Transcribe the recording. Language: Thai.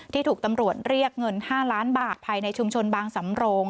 ถูกตำรวจเรียกเงิน๕ล้านบาทภายในชุมชนบางสำโรง